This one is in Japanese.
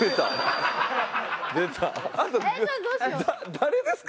誰ですか？